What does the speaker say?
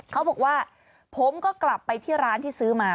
เขาบอกว่าผมก็กลับไปที่ร้านที่ซื้อมา